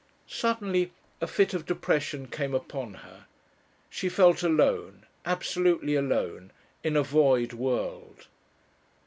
Suddenly a fit of depression came upon her. She felt alone absolutely alone in a void world.